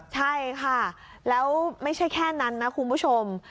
ใช่ค่ะแล้วไม่ใช่แค่นั้นนะคุณผู้ชม